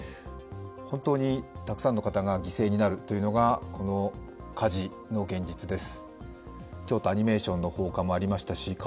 本当にたくさんの方が犠牲になるというのがこの火事の現実です。